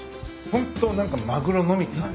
ホント何かマグロのみって感じ。